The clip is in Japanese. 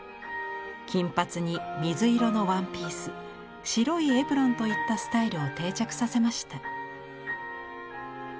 金髪に水色のワンピース白いエプロンといったスタイルを定着させました。